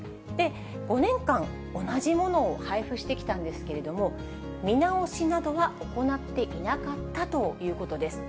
５年間、同じものを配布してきたんですけれども、見直しなどは行っていなかったということです。